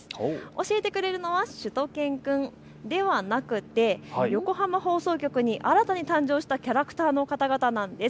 教えてくれるのはしゅと犬くんではなくて、横浜放送局に新たに誕生したキャラクターの方々なんです。